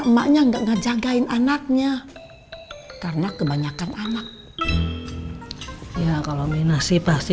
emaknya nggak ngejagain anaknya karena kebanyakan anak ya kalau minasi pasti